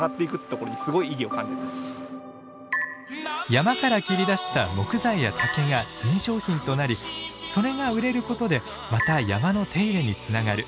山から切り出した木材や竹が炭商品となりそれが売れることでまた山の手入れにつながる。